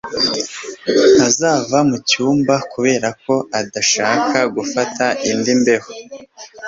Ntazava mucyumba kubera ko adashaka gufata indi mbeho